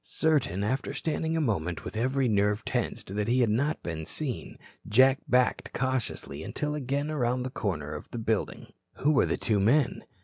Certain, after standing a moment with every nerve tensed, that he had not been seen, Jack backed cautiously until again around the corner of the building. Who were the two men?